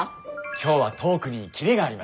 今日はトークにキレがありましたね。